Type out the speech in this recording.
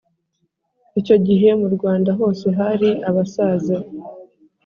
Icyo gihe mu Rwanda hose hari abasaza